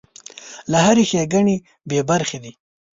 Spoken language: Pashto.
له هرې ښېګڼې بې برخې دی.